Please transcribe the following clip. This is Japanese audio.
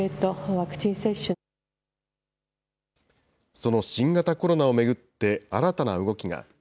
その新型コロナを巡って、新たな動きが。